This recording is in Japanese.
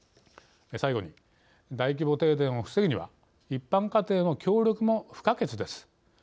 最後に、大規模停電を防ぐには一般家庭の協力も不可欠です。